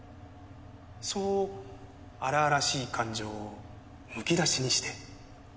そう荒々しい感情をむき出しにして。